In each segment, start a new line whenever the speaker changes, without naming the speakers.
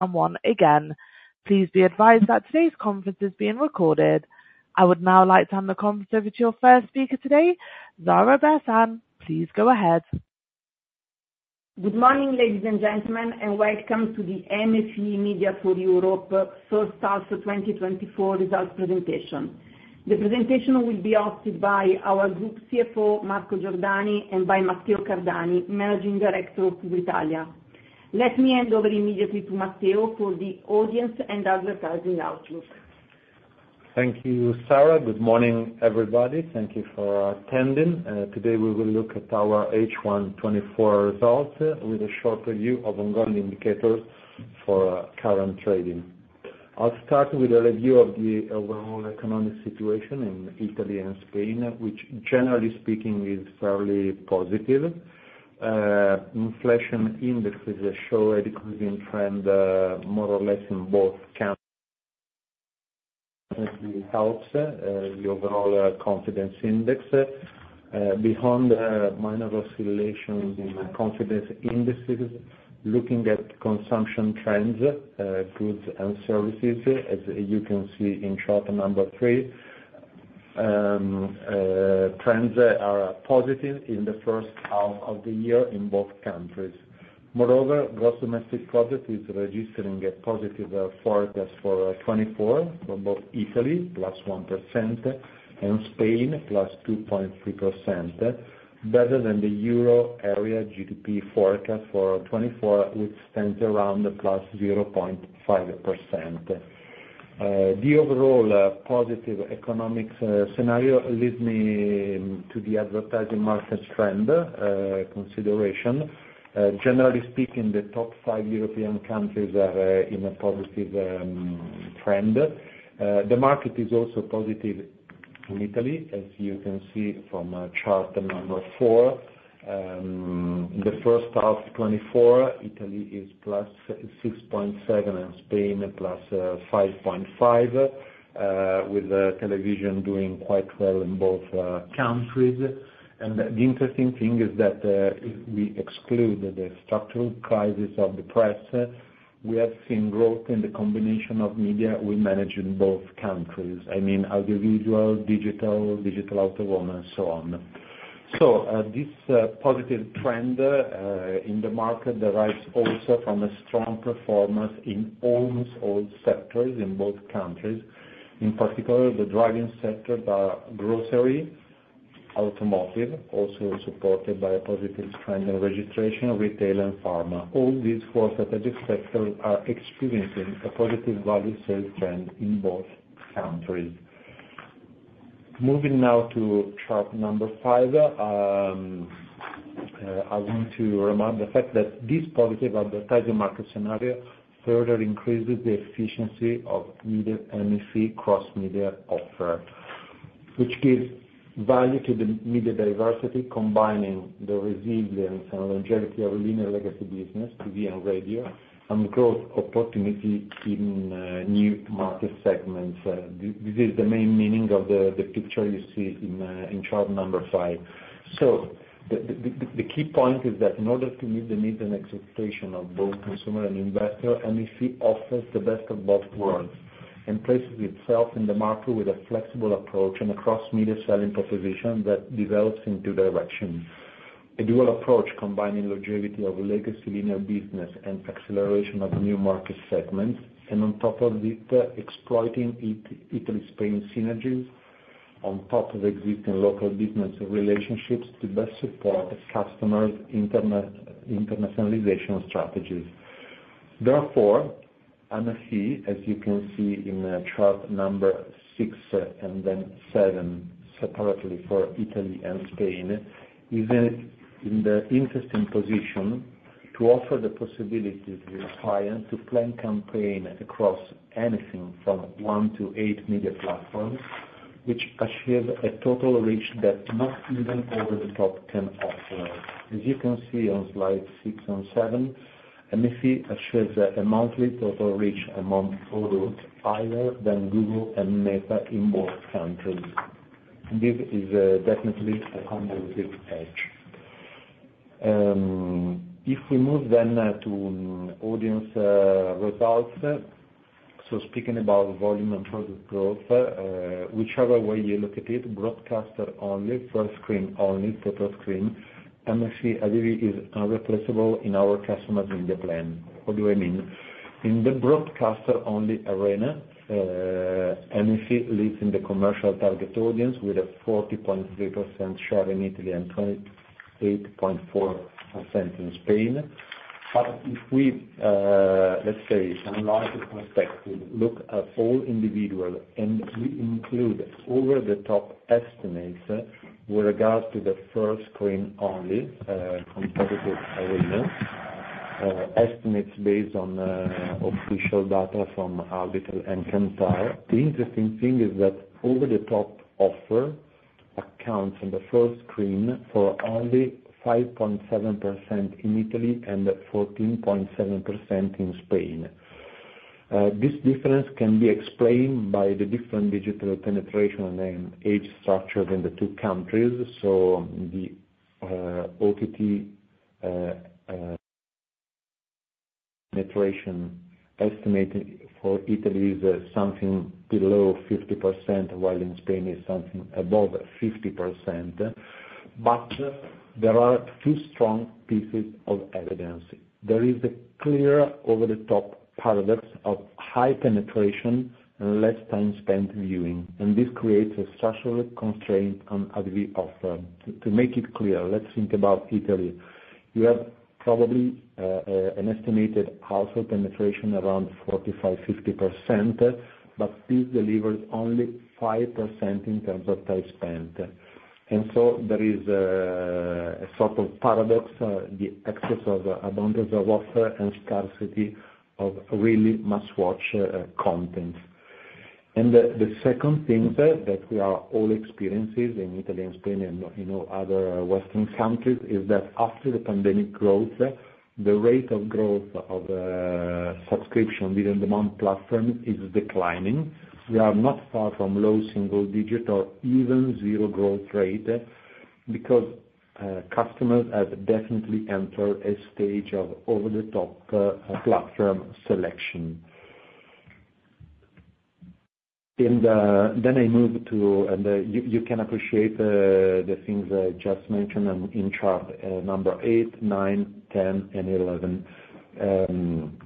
Someone again. Please be advised that today's conference is being recorded. I would now like to hand the conference over to your first speaker today, Sara Bersan. Please go ahead.
Good morning, ladies and gentlemen, and welcome to the MFE-MediaForEurope first half of 2024 results presentation. The presentation will be hosted by our Group CFO, Marco Giordani, and by Matteo Cardani, Managing Director of Italy. Let me hand over immediately to Matteo for the audience and advertising outlook.
Thank you, Sara. Good morning, everybody. Thank you for attending. Today we will look at our H1 2024 results with a short review of ongoing indicators for current trading. I'll start with a review of the overall economic situation in Italy and Spain, which, generally speaking, is fairly positive. Inflation indices show a decreasing trend, more or less in both countries helps the overall confidence index. Beyond the minor oscillation in the confidence indices, looking at consumption trends, goods and services, as you can see in chart number three, trends are positive in the first half of the year in both countries. Moreover, gross domestic product is registering a positive forecast for 2024, for both Italy, plus 1%, and Spain, plus 2.3%, better than the Euro area GDP forecast for 2024, which stands around plus 0.5%. The overall positive economics scenario leads me to the advertising markets trend consideration. Generally speaking, the top five European countries are in a positive trend. The market is also positive in Italy, as you can see from chart number four. In the first half 2024, Italy is plus 6.7%, and Spain plus 5.5%, with television doing quite well in both countries. The interesting thing is that, if we exclude the structural crisis of the press, we have seen growth in the combination of media we manage in both countries. I mean, individual, digital, digital out-of-home, and so on. So, this positive trend in the market derives also from a strong performance in almost all sectors in both countries. In particular, the driving sector, the grocery, automotive, also supported by a positive trend in registration, retail, and pharma. All these four strategic sectors are experiencing a positive value sales trend in both countries. Moving now to chart number five, I want to remind the fact that this positive advertising market scenario further increases the efficiency of media MFE cross-media offer, which gives value to the media diversity, combining the resilience and longevity of linear legacy business, TV and radio, and growth opportunity in new market segments. This is the main meaning of the picture you see in chart number five. The key point is that in order to meet the needs and expectation of both consumer and investor, MFE offers the best of both worlds and places itself in the market with a flexible approach and across media selling proposition that develops in two directions. A dual approach, combining longevity of legacy linear business and acceleration of new market segments, and on top of it, exploiting Italy-Spain synergies on top of existing local business relationships to best support customers internationalization strategies. Therefore, MFE, as you can see in chart number six and then seven, separately for Italy and Spain, is in the interesting position to offer the possibility to the client to plan campaign across anything from one to eight media platforms, which achieve a total reach that not even over the top can offer. As you can see on slide six and seven, MFE assures that a monthly total reach among products higher than Google and Meta in both countries. This is, definitely a competitive edge. If we move then, to audience, results, so speaking about volume and product growth, whichever way you look at it, broadcaster-only, first screen-only, total screen, MFE really is irreplaceable in our customers' media plan. What do I mean? In the broadcaster-only arena, MFE leads in the commercial target audience with a 40.3% share in Italy and 28.4% in Spain. But if we, let's say, from another perspective, look at all individual, and we include over-the-top estimates with regards to the first screen only, competitive arena, estimates based on, official data from Auditel and Kantar, the interesting thing is that over-the-top offer accounts on the first screen for only 5.7% in Italy and 14.7% in Spain. This difference can be explained by the different digital penetration and age structure in the two countries. So the, OTT, penetration estimated for Italy is something below 50%, while in Spain is something above 50%. But there are two strong pieces of evidence. There is a clear over-the-top paradox of high penetration and less time spent viewing, and this creates a structural constraint on how we offer. To make it clear, let's think about Italy. You have probably an estimated household penetration around 45-50%, but this delivers only 5% in terms of time spent. So there is a sort of paradox, the excess of abundance of offer and scarcity of really must-watch content. The second thing that we are all experiencing in Italy and Spain and, you know, other Western countries, is that after the pandemic growth, the rate of growth of subscription video-on-demand platform is declining. We are not far from low single digit or even zero growth rate, because customers have definitely entered a stage of over-the-top platform selection. You can appreciate the things I just mentioned in chart number 8, 9, 10, and 11.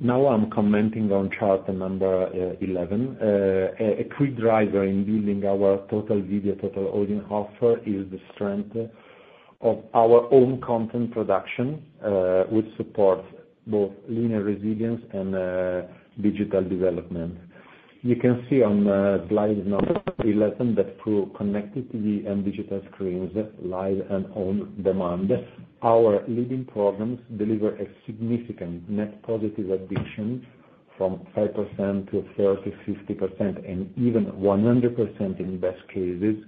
Now I'm commenting on chart number 11. A key driver in building our total video, total audience offer is the strength of our own content production, which supports both linear resilience and digital development. You can see on slide number 11, that through connected TV and digital screens, live and on-demand, our leading programs deliver a significant net positive addition from 5% to 30%, 50%, and even 100% in best cases,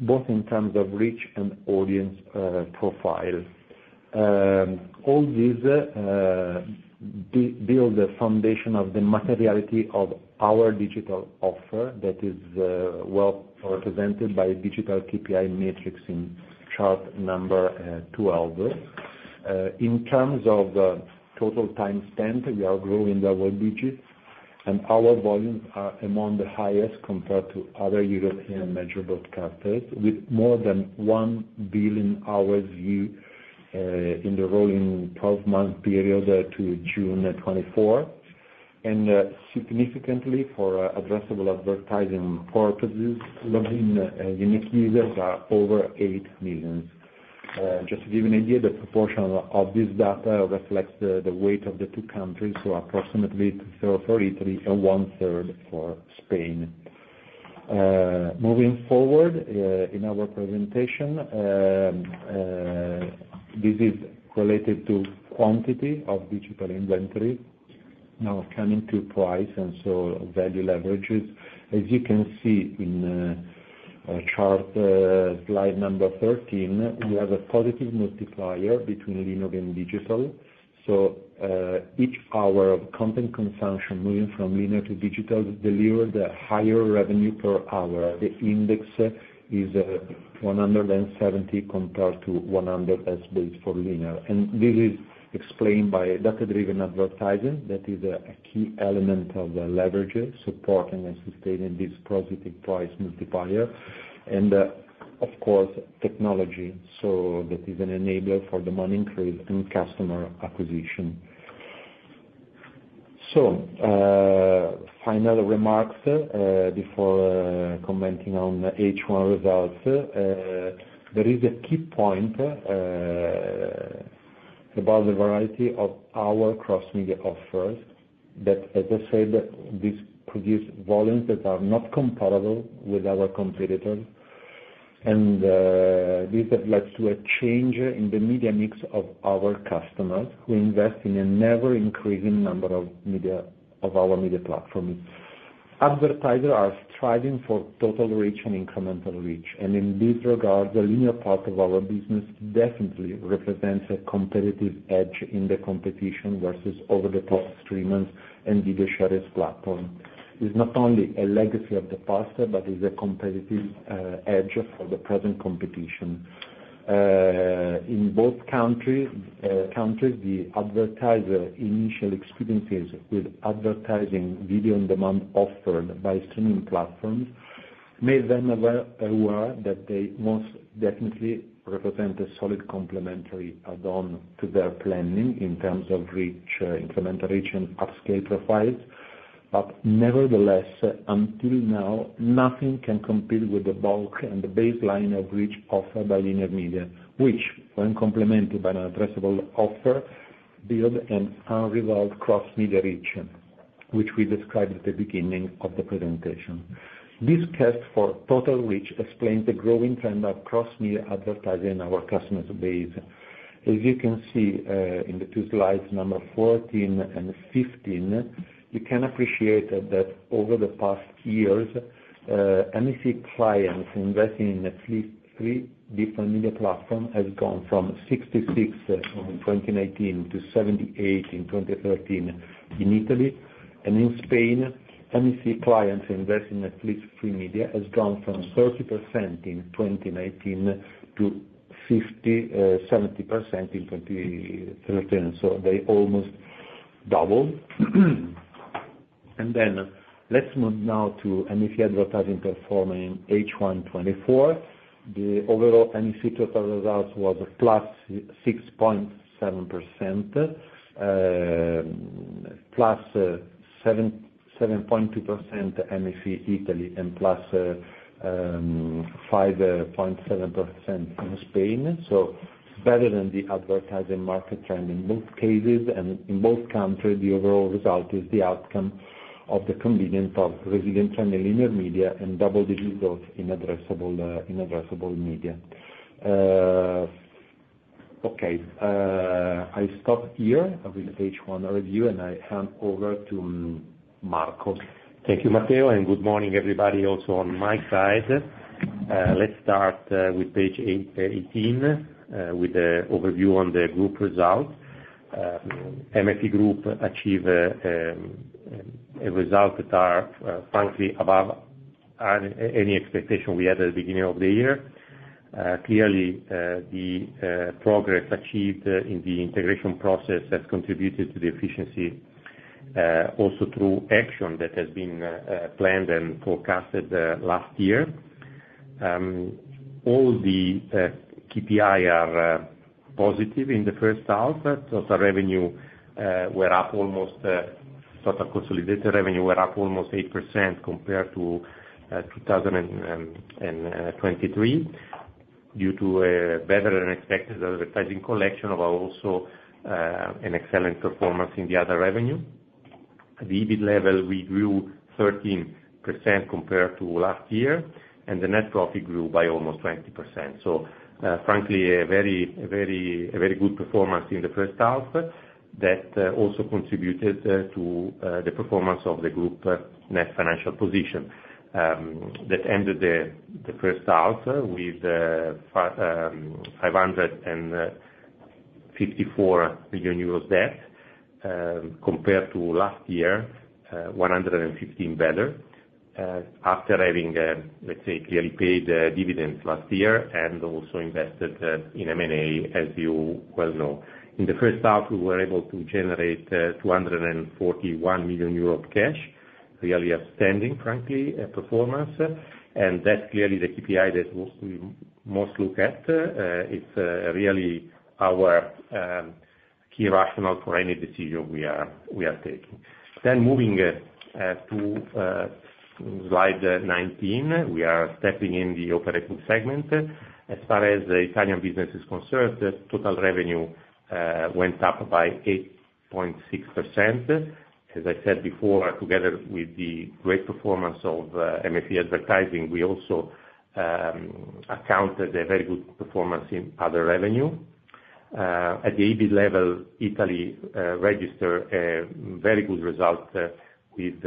both in terms of reach and audience profile. All these build a foundation of the materiality of our digital offer that is well represented by digital KPI matrix in chart number 12. In terms of total time spent, we are growing double digits, and our volumes are among the highest compared to other European measurable broadcasters, with more than one billion hours view in the rolling twelve-month period to June 2024. And significantly, for addressable advertising purposes, login unique users are over eight million. Just to give you an idea, the proportion of this data reflects the weight of the two countries, so approximately two-thirds for Italy and one-third for Spain. Moving forward in our presentation, this is related to quantity of digital inventory. Now coming to price, and so value leverages. As you can see in chart slide number 13, we have a positive multiplier between linear and digital. So, each hour of content consumption moving from linear to digital deliver the higher revenue per hour. The index is 170 compared to 100 as base for linear. And this is explained by data-driven advertising. That is a key element of the leverage, supporting and sustaining this positive price multiplier. And, of course, technology, so that is an enabler for demand increase and customer acquisition. So, final remarks before commenting on the H1 results. There is a key point about the variety of our cross-media offers, that, as I said, this produce volumes that are not comparable with our competitors. And, this has led to a change in the media mix of our customers, who invest in an ever-increasing number of media, of our media platforms. Advertisers are striving for total reach and incremental reach, and in this regard, the linear part of our business definitely represents a competitive edge in the competition versus over-the-top streamers and video sharing platforms. It's not only a legacy of the past, but it's a competitive edge for the present competition. In both countries, the advertisers' initial experiences with advertising video-on-demand offered by streaming platforms made them aware that they most definitely represent a solid complementary add-on to their planning in terms of reach, incremental reach, and upscale profiles. But nevertheless, until now, nothing can compete with the bulk and the baseline of reach offered by linear media, which, when complemented by an addressable offer, build an unrivaled cross-media reach, which we described at the beginning of the presentation. This quest for total reach explains the growing trend of cross-media advertising in our customer base. As you can see, in the two slides, numbers 14 and 15, you can appreciate that over the past years, MFE clients investing in at least three different media platform has gone from 66% in 2019 to 78% in 2023 in Italy, and in Spain, MFE clients investing at least three media has gone from 30% in 2019 to 70% in 2023. They almost doubled. Then let's move now to MFE advertising performance in H1 2024. The overall MFE total results was +6.7%, +7.2% MFE Italy, and +5.7% in Spain. So, better than the advertising market trend in both cases, and in both countries, the overall result is the outcome of the contribution of traditional and linear media, and double-digit growth in addressable media. Okay, I stop here with the page one review, and I hand over to Marco.
Thank you, Matteo, and good morning everybody, also on my side. Let's start with page 18 with the overview on the group results. MFE Group achieve a result that are frankly above any expectation we had at the beginning of the year. Clearly the progress achieved in the integration process has contributed to the efficiency also through action that has been planned and forecasted last year. All the KPI are positive in the first half. Total consolidated revenue were up almost 8% compared to 2023, due to a better-than-expected advertising collection, but also an excellent performance in the other revenue. At the EBIT level, we grew 13% compared to last year, and the net profit grew by almost 20%. Frankly, a very good performance in the first half that also contributed to the performance of the group net financial position. That ended the first half with 554 million euros debt, compared to last year, 115 million better, after having, let's say, clearly paid dividends last year and also invested in M&A, as you well know. In the first half, we were able to generate 241 million euro cash. Really outstanding, frankly, performance, and that's clearly the KPI that we most look at. It's really our key rationale for any decision we are taking. Then moving to slide 19, we are stepping in the operating segment. As far as the Italian business is concerned, the total revenue went up by 8.6%. As I said before, together with the great performance of MFE Advertising, we also accounted a very good performance in other revenue. At the EBIT level, Italy registered a very good result with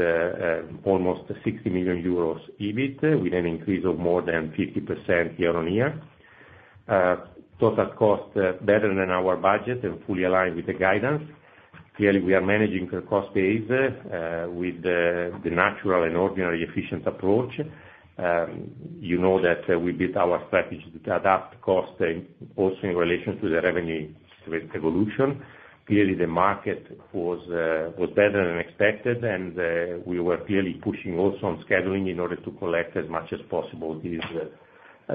almost 60 million euros EBIT, with an increase of more than 50% year-on-year. Total cost better than our budget and fully aligned with the guidance. Clearly, we are managing the cost base with the natural and ordinary efficient approach. You know that we built our strategy to adapt cost also in relation to the revenue growth evolution. Clearly, the market was better than expected, and we were clearly pushing also on scheduling in order to collect as much as possible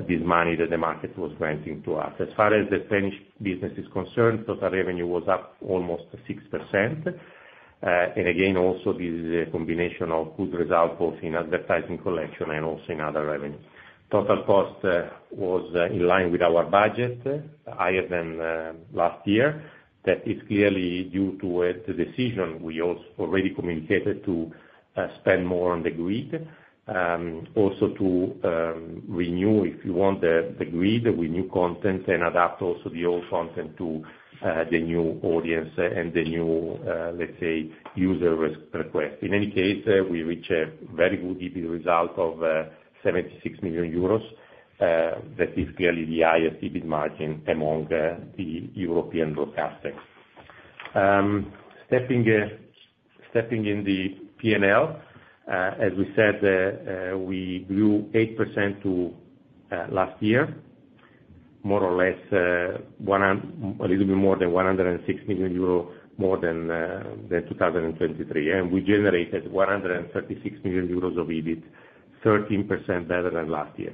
this money that the market was granting to us. As far as the French business is concerned, total revenue was up almost 6%. And again, this is a combination of good results, both in advertising collection and also in other revenue. Total cost was in line with our budget, higher than last year. That is clearly due to the decision we already communicated to spend more on the grid, also to renew, if you want, the grid with new content and adapt also the old content to the new audience and the new, let's say, user request. In any case, we reach a very good EBIT result of 76 million euros. That is clearly the highest EBIT margin among the European broadcasting. Stepping in the P&L, as we said, we grew 8% to last year, more or less, a little bit more than 160 million euro, more than 2023. We generated 136 million euros of EBIT, 13% better than last year.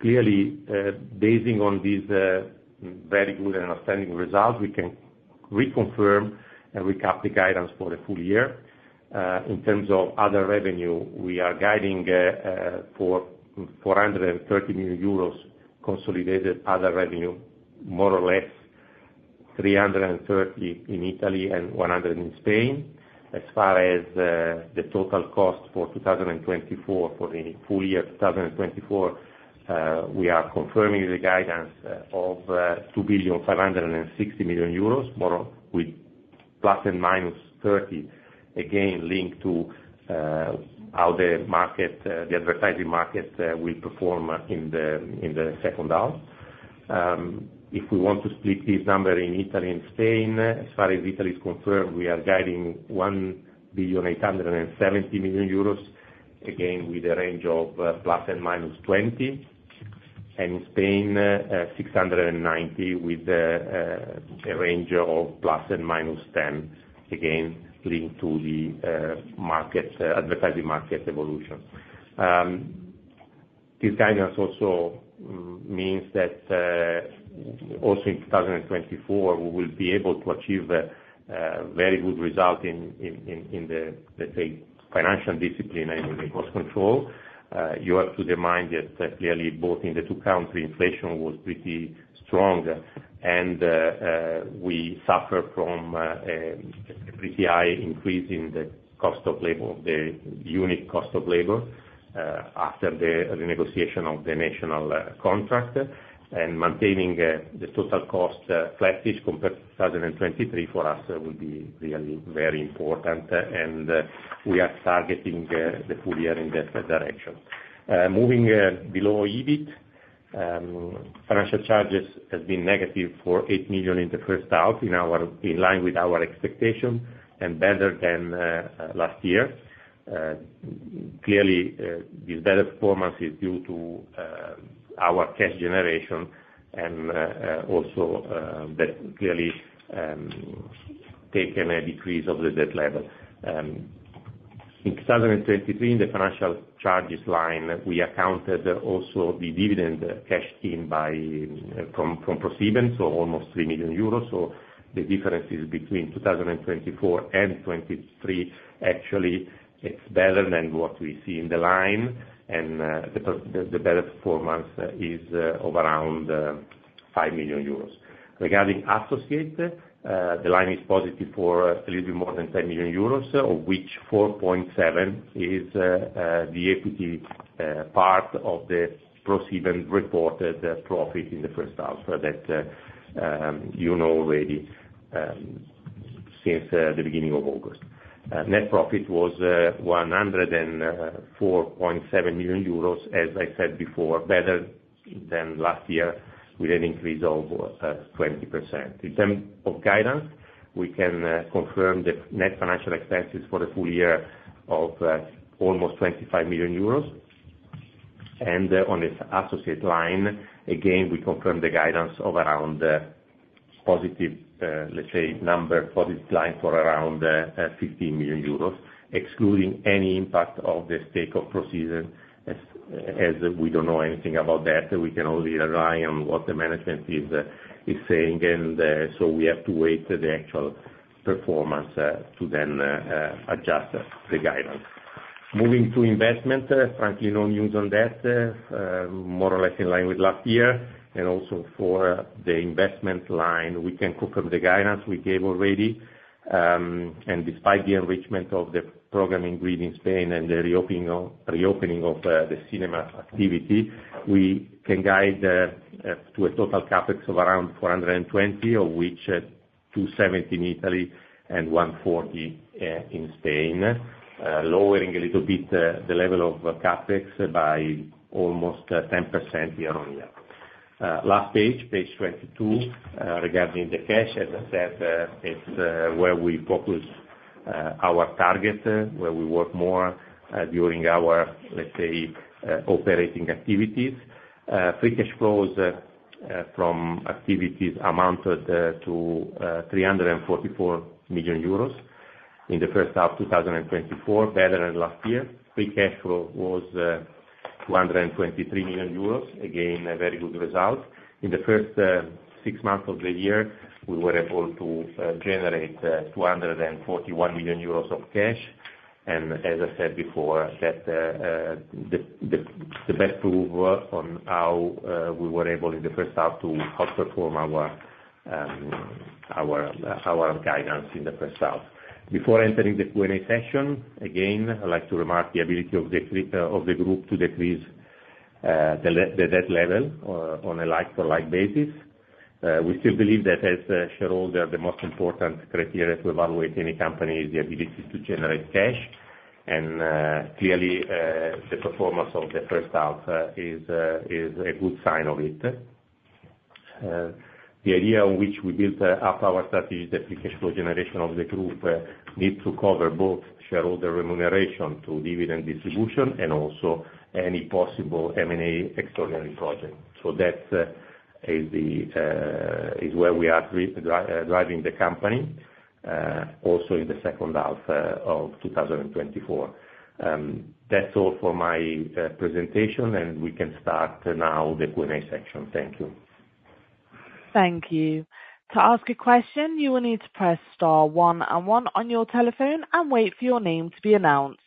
Clearly, basing on these very good and outstanding results, we can reconfirm and recap the guidance for the full year. In terms of other revenue, we are guiding for 430 million euros consolidated other revenue, more or less... 330 million in Italy and 100 million in Spain. As far as the total cost for 2024, for the full year 2024, we are confirming the guidance of 2.56 billion euros, more with plus and minus 30, again, linked to how the market, the advertising market, will perform in the second half. If we want to split this number in Italy and Spain, as far as Italy is concerned, we are guiding 1.87 billion, again, with a range of plus and minus 20, and in Spain, 690 million, with a range of plus and minus 10, again, linked to the advertising market evolution. This guidance also means that, also in 2024, we will be able to achieve a very good result in the, let's say, financial discipline and in the cost control. You have to remind that clearly, both in the two countries, inflation was pretty strong, and we suffer from CPI increase in the cost of labor, the unit cost of labor, after the negotiation of the national contract. Maintaining the total cost flatish compared to 2023 for us will be really very important, and we are targeting the full year in that direction. Moving below EBIT, financial charges has been negative for 8 million in the first half, in line with our expectations and better than last year. Clearly, this better performance is due to our cash generation and also that clearly taking a decrease of the debt level. In 2023, the financial charges line, we accounted also the dividend cashed in by from ProSiebenSat.1, so almost 3 million euros. The difference is between 2024 and 2023, actually, it's better than what we see in the line, and the better performance is of around 5 million euros. Regarding associates, the line is positive for a little bit more than 10 million euros, of which 4.7 is the equity part of the ProSiebenSat.1 reported profit in the first half, that you know already since the beginning of August. Net profit was 104.7 million euros, as I said before, better than last year, with an increase of 20%. In terms of guidance, we can confirm the net financial expenses for the full year of almost 25 million euros. And on the associate line, again, we confirm the guidance of around positive, let's say, number, positive line for around 15 million euros, excluding any impact of the stake of ProSiebenSat.1, as we don't know anything about that. We can only rely on what the management is saying, and so we have to wait the actual performance to then adjust the guidance. Moving to investment, frankly, no news on that. More or less in line with last year, and also for the investment line, we can confirm the guidance we gave already. And despite the enrichment of the programming grid in Spain and the reopening of the cinema activity, we can guide to a total CapEx of around 420 million EUR, of which 270 million EUR in Italy and 140 million EUR in Spain, lowering a little bit the level of CapEx by almost 10% year on year. Last page, page 22. Regarding the cash, as I said, it's where we focus our target, where we work more during our, let's say, operating activities. Free cash flows from activities amounted to 344 million euros in the first half 2024, better than last year. Free cash flow was 223 million euros. Again, a very good result. In the first six months of the year, we were able to generate 241 million euros of cash. As I said before, that the best proof on how we were able in the first half to outperform our guidance in the first half. Before entering the Q&A session, again, I'd like to remark the ability of the group to decrease the debt level on a like-for-like basis. We still believe that as a shareholder, the most important criteria to evaluate any company is the ability to generate cash, and clearly the performance of the first half is a good sign of it. The idea on which we built up our strategy is that the cash flow generation of the group needs to cover both shareholder remuneration to dividend distribution and also any possible M&A extraordinary project. That is where we are driving the company also in the second half of two thousand and twenty-four. That's all for my presentation, and we can start now the Q&A section. Thank you.
Thank you. To ask a question, you will need to press star one and one on your telephone and wait for your name to be announced....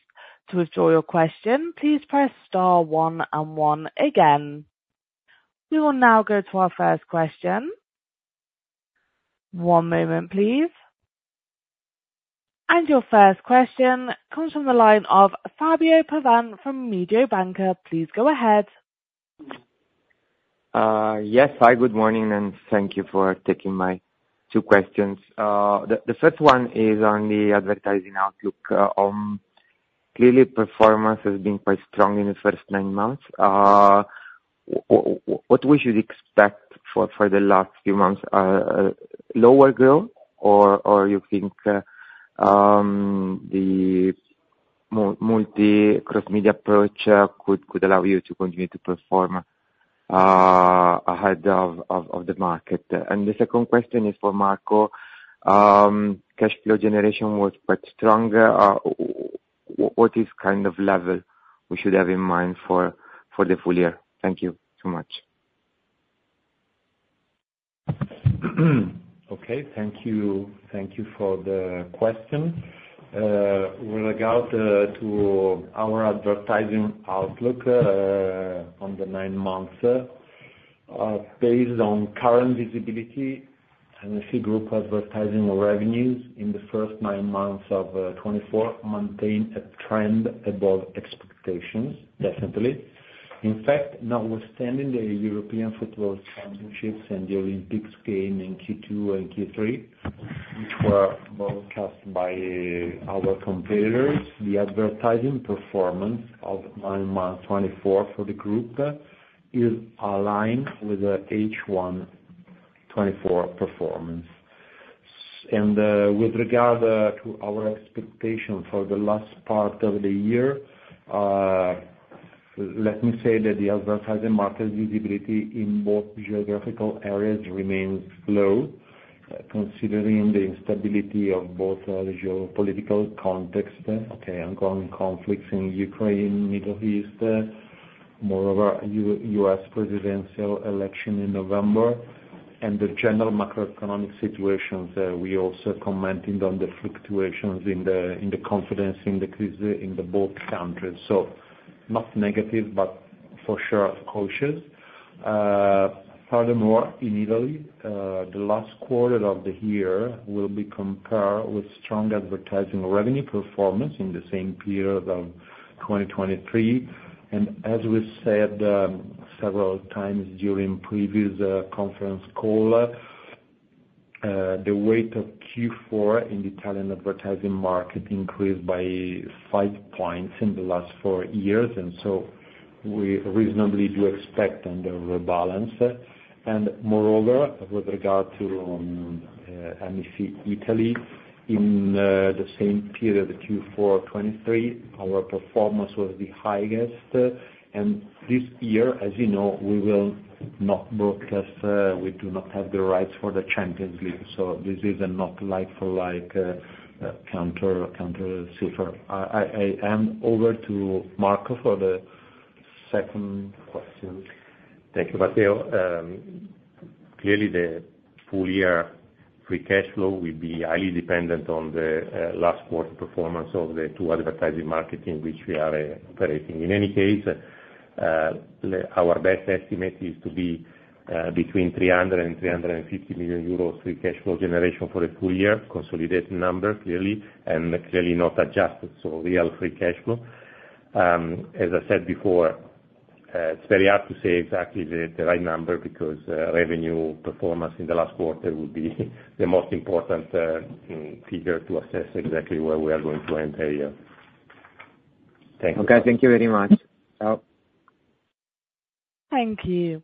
To withdraw your question, please press star one and one again. We will now go to our first question. One moment, please. And your first question comes from the line of Fabio Pavan from Mediobanca. Please go ahead. Yes. Hi, good morning, and thank you for taking my two questions. The first one is on the advertising outlook. Clearly, performance has been quite strong in the first nine months. What we should expect for the last few months, lower growth, or you think the multi-cross media approach could allow you to continue to perform ahead of the market? And the second question is for Marco. Cash flow generation was quite strong. What kind of level we should have in mind for the full year? Thank you so much.
Okay, thank you. Thank you for the question. With regard to our advertising outlook on the nine months based on current visibility, and I see group advertising revenues in the first nine months of 2024 maintain a trend above expectations, definitely. In fact, notwithstanding the European Football Championship and the Olympic Games in Q2 and Q3, which were broadcast by our competitors, the advertising performance of nine months 2024 for the group is aligned with the H1 2024 performance. With regard to our expectation for the last part of the year, let me say that the advertising market visibility in both geographical areas remains low, considering the instability of both the geopolitical context, ongoing conflicts in Ukraine, Middle East, moreover, U.S. presidential election in November, and the general macroeconomic situations. We also commented on the fluctuations in the confidence in both countries. So not negative, but for sure, cautious. Furthermore, in Italy, the last quarter of the year will be compared with strong advertising revenue performance in the same period of 2023, and as we said several times during previous conference call, the weight of Q4 in Italian advertising market increased by five points in the last four years, and so we reasonably do expect under rebalance. Moreover, with regard to Mediaset, Italy, in the same period, Q4 2023, our performance was the highest, and this year, as you know, we will not broadcast. We do not have the rights for the Champions League, so this is not a like-for-like comparable figure. I hand over to Marco for the second question.
Thank you, Matteo. Clearly, the full year free cash flow will be highly dependent on the last quarter performance of the two advertising market in which we are operating. In any case, our best estimate is to be between 300 and 350 million euros free cash flow generation for a full year, consolidated number, clearly, and clearly not adjusted, so real free cash flow. As I said before, it's very hard to say exactly the right number because revenue performance in the last quarter will be the most important figure to assess exactly where we are going to end the year. Thank you. Okay, thank you very much. Ciao.
Thank you.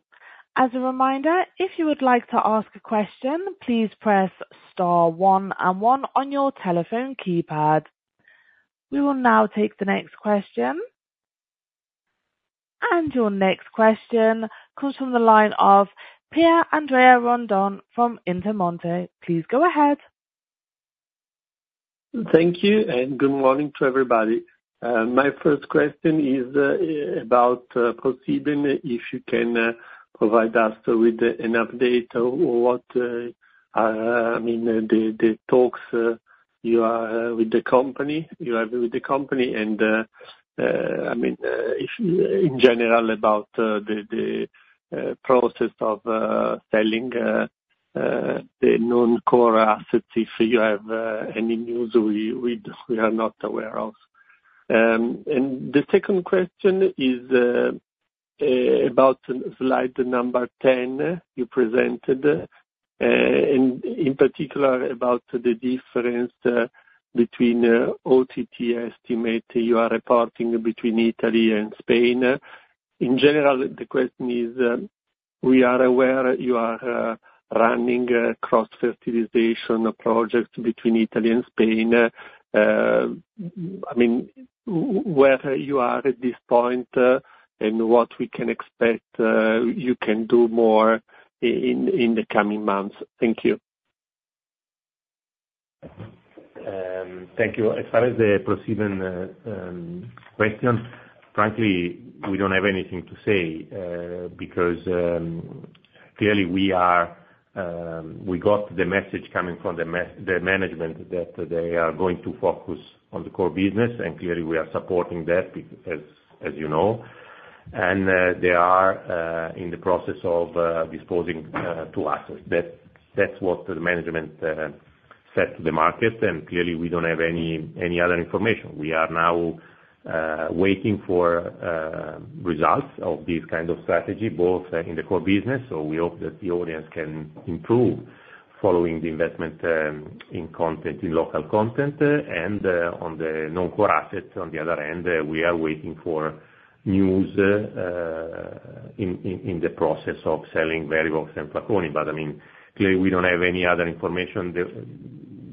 As a reminder, if you would like to ask a question, please press star one and one on your telephone keypad. We will now take the next question, and your next question comes from the line of Pierandrea Randone from Intermonte. Please go ahead. Thank you, and good morning to everybody. My first question is about ProSiebenSat.1, if you can provide us with an update on what I mean the talks you are with the company you have with the company, and I mean if in general about the process of selling the non-core assets, if you have any news we are not aware of. The second question is about slide number 10 you presented, and in particular about the difference between OTT estimate you are reporting between Italy and Spain. In general, the question is, we are aware you are running a cross-fertilization project between Italy and Spain. I mean, where you are at this point, and what we can expect, you can do more in the coming months? Thank you.
Thank you. As far as the ProSiebenSat.1 question, frankly, we don't have anything to say, because clearly we are, we got the message coming from the management that they are going to focus on the core business, and clearly we are supporting that, as you know, and they are in the process of disposing two assets. That, that's what the management said to the market, and clearly, we don't have any other information. We are now waiting for results of this kind of strategy, both in the core business, so we hope that the audience can improve following the investment in content, in local content, and on the non-core assets on the other end, we are waiting for news in the process of selling Verivox and Flaconi. But, I mean, clearly, we don't have any other information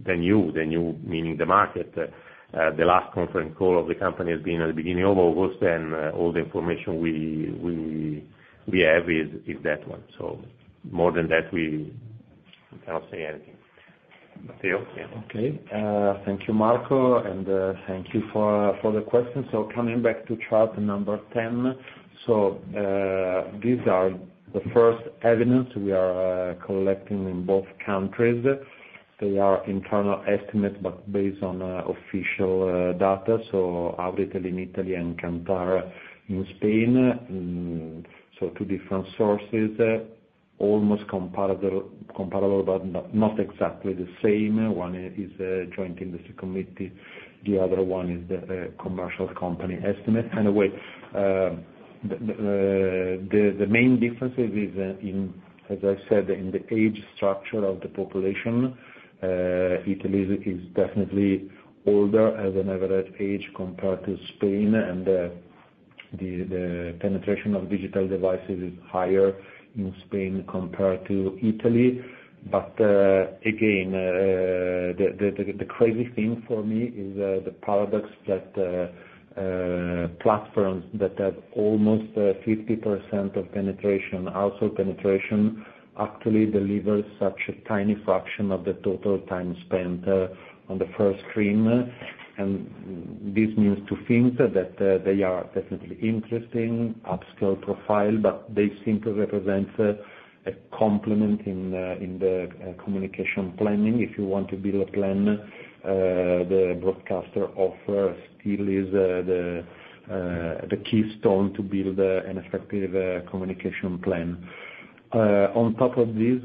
than you, meaning the market. The last conference call of the company has been at the beginning of August, and all the information we have is that one, so more than that, we cannot say anything. Matteo? Yeah.
Okay. Thank you, Marco, and thank you for the question. Coming back to chart number 10, these are the first evidence we are collecting in both countries. They are internal estimates, but based on official data, so Auditel in Italy and Kantar in Spain. So two different sources, almost comparable, but not exactly the same. One is a joint industry committee, the other one is the commercial company estimate. Anyway, the main differences is in, as I said, in the age structure of the population. Italy is definitely older as an average age compared to Spain, and the penetration of digital devices is higher in Spain compared to Italy. But again, the crazy thing for me is the paradox that platforms that have almost 50% of penetration, household penetration, actually delivers such a tiny fraction of the total time spent on the first screen. And this means to think that they are definitely interesting, upscale profile, but they simply represent a complement in the communication planning. If you want to build a plan, the broadcaster offer still is the keystone to build an effective communication plan. On top of this,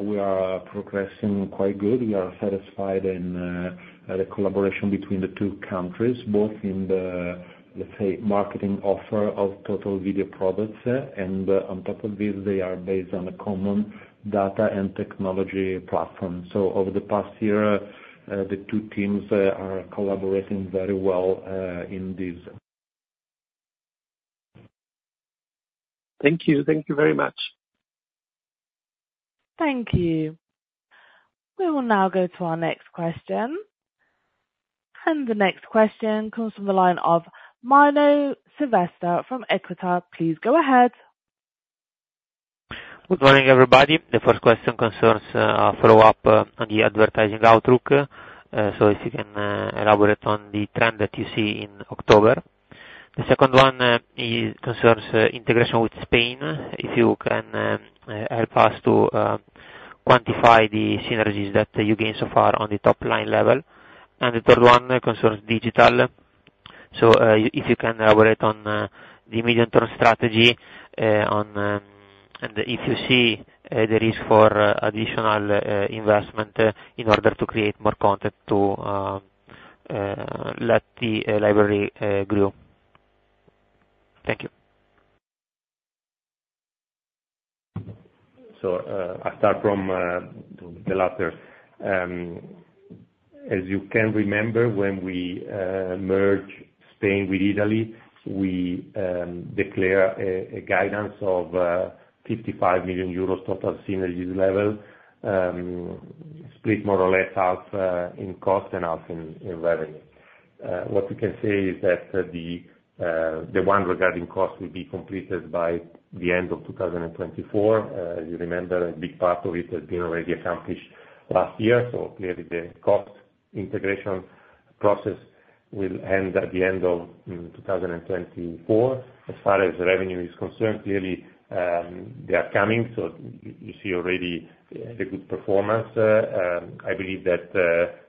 we are progressing quite good. We are satisfied in the collaboration between the two countries, both in the, let's say, marketing offer of total video products, and on top of this, they are based on a common data and technology platform. So over the past year, the two teams are collaborating very well, in this. Thank you. Thank you very much.
Thank you. We will now go to our next question. And the next question comes from the line of Milo Silvestre from Equita. Please go ahead. Good morning, everybody. The first question concerns follow-up on the advertising outlook, so if you can elaborate on the trend that you see in October. The second one concerns integration with Spain. If you can help us to quantify the synergies that you gained so far on the top line level. And the third one concerns digital. So if you can elaborate on the medium-term strategy and if you see the risk for additional investment in order to create more content to let the library grow. Thank you.
I start from the latter. As you can remember, when we merge Spain with Italy, we declare a guidance of 55 million euros total synergies level, split more or less half in cost and half in revenue. What we can say is that the one regarding cost will be completed by the end of 2024. You remember, a big part of it has been already accomplished last year, so clearly, the cost integration process will end at the end of 2024. As far as revenue is concerned, clearly, they are coming, so you see already the good performance. I believe that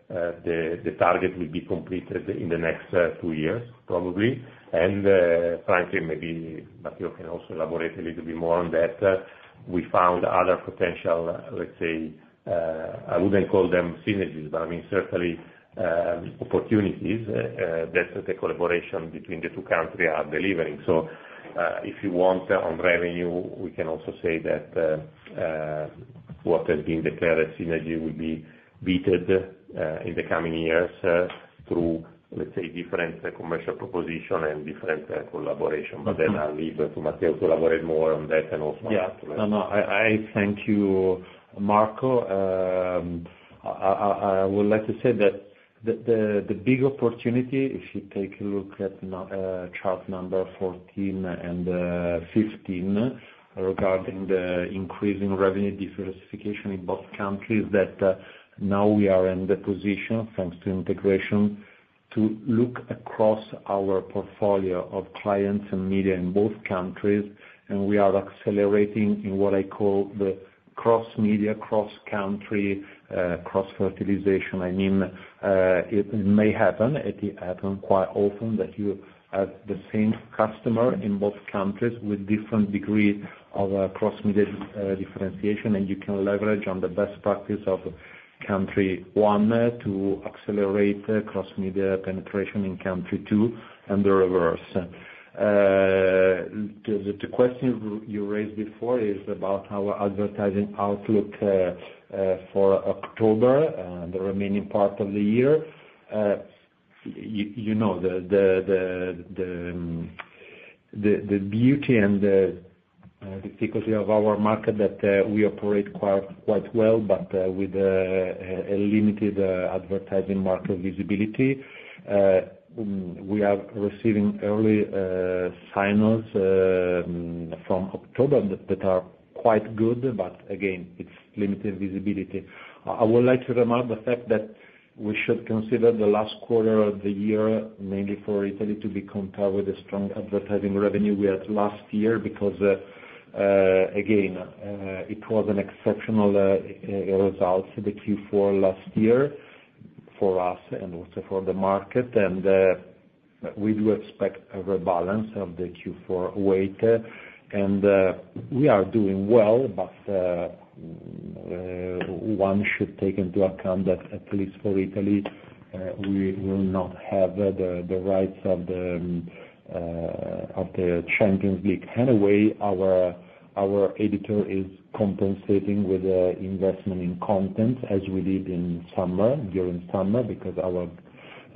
the target will be completed in the next two years, probably. Frankly, maybe Matteo can also elaborate a little bit more on that. We found other potential, let's say, I wouldn't call them synergies, but, I mean, certainly, opportunities that the collaboration between the two countries are delivering. If you want on revenue, we can also say that what has been declared a synergy will be beaten in the coming years through, let's say, different commercial proposition and different collaboration.
Mm-hmm.
But then I'll leave it to Matteo to elaborate more on that and also-
Yeah. No, no, I thank you, Marco. I would like to say that the big opportunity, if you take a look at chart number 14 and 15, regarding the increase in revenue diversification in both countries, that now we are in the position, thanks to integration to look across our portfolio of clients and media in both countries, and we are accelerating in what I call the cross-media, cross-country, cross-fertilization. I mean, it may happen, it happen quite often, that you have the same customer in both countries with different degree of cross-media differentiation, and you can leverage on the best practice of country one to accelerate cross-media penetration in country two, and the reverse. The question you raised before is about our advertising outlook for October, the remaining part of the year. You know, the beauty and the difficulty of our market that we operate quite well, but with a limited advertising market visibility. We are receiving early signals from October that are quite good, but again, it's limited visibility. I would like to remark the fact that we should consider the last quarter of the year, mainly for Italy, to be compared with the strong advertising revenue we had last year. Because, again, it was an exceptional result for the Q4 last year for us and also for the market, and we do expect a rebalance of the Q4 weight. We are doing well, but one should take into account that, at least for Italy, we will not have the rights to the Champions League. In a way, our editorial is compensating with investment in content, as we did in summer, because our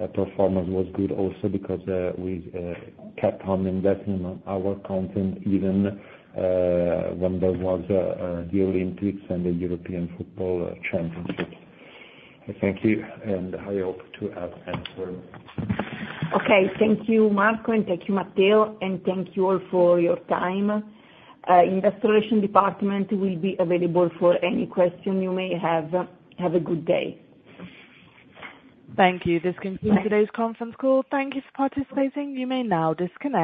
performance was good also because we kept on investing on our content even when there was the Olympics and the European Football Championship. Thank you, and I hope to have answered.
Okay. Thank you, Marco, and thank you, Matteo, and thank you all for your time. Investor Relations department will be available for any question you may have. Have a good day.
Thank you. This concludes today's conference call. Thank you for participating. You may now disconnect.